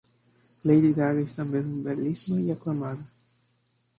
Lady Gaga está mesmo belíssima e aclamada